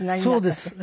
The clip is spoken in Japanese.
そうです。